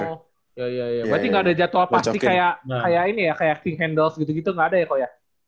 berarti nggak ada jadwal pasti kayak ini ya kayak king handles gitu gitu nggak ada ya kok ya